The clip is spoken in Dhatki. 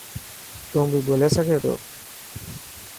تون بي ٻولي سگھي ٿو.